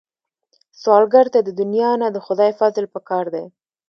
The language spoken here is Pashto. سوالګر ته د دنیا نه، د خدای فضل پکار دی